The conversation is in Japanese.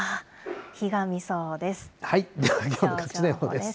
ひがみそうです。